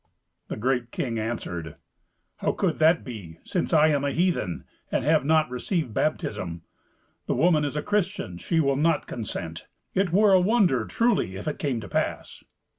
The great king answered, "How could that be, since I am a heathen, and have not received baptism? The woman is a Christian—she will not consent. It were a wonder, truly, if it came to pass."